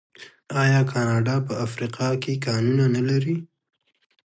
آیا کاناډا په افریقا کې کانونه نلري؟